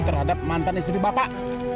terhadap mantan istri bapak